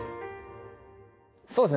そうですね